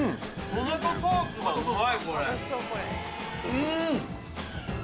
・うん！